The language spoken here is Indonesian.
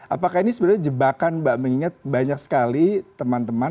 apakah ini sebenarnya jebakan mbak mengingat banyak sekali teman teman